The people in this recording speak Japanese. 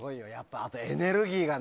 あとエネルギーが。